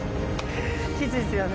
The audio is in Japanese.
きついですよね。